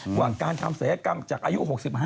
หวังการทำศัยกรรมจากอายุ๖๕